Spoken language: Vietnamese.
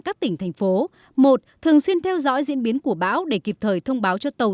các tỉnh thành phố một thường xuyên theo dõi diễn biến của bão để kịp thời thông báo cho tàu